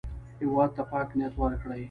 هېواد ته پاک نیت ورکړئ